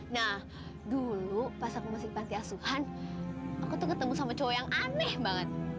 nah dulu pas aku musik panti asuhan aku tuh ketemu sama cowok yang aneh banget